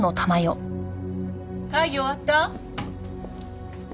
会議終わった？